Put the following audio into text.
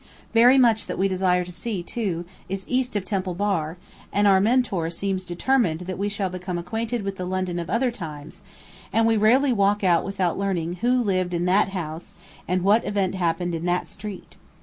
Very much that we desire to see, too, is east of Temple Bar, and our Mentor seems determined that we shall become acquainted with the London of other times, and we rarely walk out without learning who lived in "that house," and what event had happened in "that street."